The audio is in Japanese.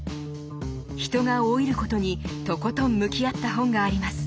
「人が老いること」にとことん向き合った本があります。